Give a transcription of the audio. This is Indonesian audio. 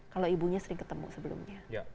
kalau ibunya sering ketemu sebelumnya